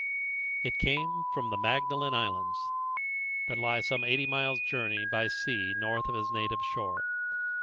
It came from one of the Magdalen Islands, that lie some eighty miles' journey by sea to the north of his native shore.